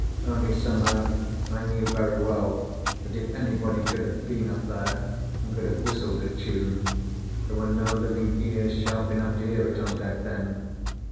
Only somehow I knew very well that if anybody could have been up there, and could have whistled a tune, there were no living ears sharp enough to hear it on deck then.